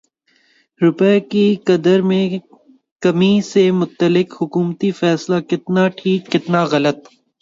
روپے کی قدر میں کمی سے متعلق حکومتی فیصلہ کتنا ٹھیک کتنا غلط